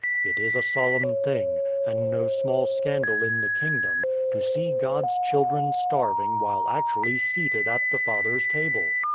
It is a solemn thing, and no small scandal in the Kingdom, to see God's children starving while actually seated at the Father's table.